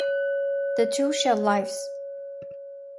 The two shared lives.